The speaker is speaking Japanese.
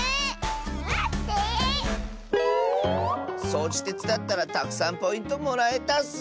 そうじてつだったらたくさんポイントもらえたッス。